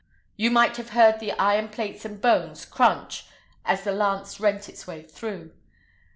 You might have heard the iron plates and bones cranch as the lance rent its way through.